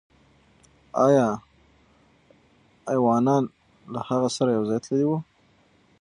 آیا ایوانان له هغه سره یو ځای تللي وو؟